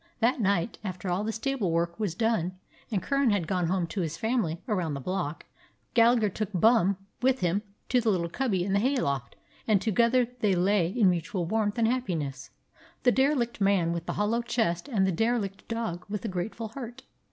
That night, after all the stable work was done and Curran had gone home to his family around the block, Gallagher took Bum with him to his little cubby in the hay loft, and to gether they lay in mutual warmth and happi ness, the derelict man with the hollow chest and the derelict dog with the grateful heart.